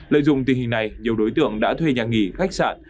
lợi dụng tình hình này nhiều đối tượng đã thuê nhà nghỉ khách sạn